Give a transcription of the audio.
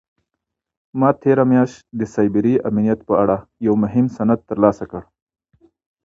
ما تېره میاشت د سایبري امنیت په اړه یو مهم سند ترلاسه کړ.